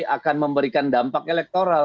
akan memberikan dampak elektoral